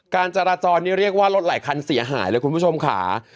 การจราจรนี่เรียกว่ารถหลายคันเสียหายเลยคุณผู้ชมค่ะ